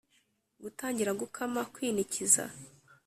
gutangira gukama kwinikiza